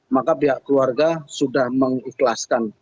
maka pihak keluarga sudah mengikhlaskan